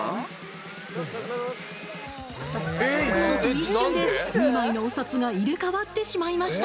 一瞬で２枚のお札が入れ替わってしまいました。